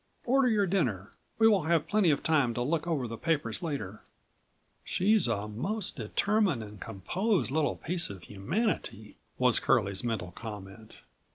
"Order your dinner; we will have plenty of time to look over the papers later." "She's a most determined and composed little piece of humanity," was Curlie's mental comment.